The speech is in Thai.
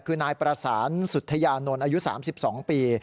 คือนายปรสารสุธยานนท์อายุสามสิบสองปี